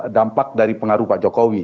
dampak dari pengaruh pak jokowi